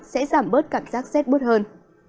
sẽ giảm bớt cảm giác rét bút hơn